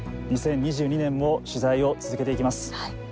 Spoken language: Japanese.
２０２２年も取材を続けていきます。